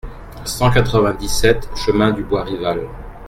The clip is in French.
cent quatre-vingt-dix-sept chemin du Bois Rival